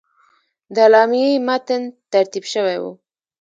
د اعلامیې متن ترتیب شوی وو.